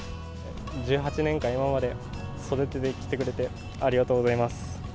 １８年間、今まで育ててきてくれて、ありがとうございます。